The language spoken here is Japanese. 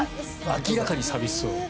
明らかに寂しそう。